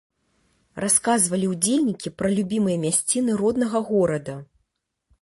Расказвалі ўдзельнікі пра любімыя мясціны роднага горада.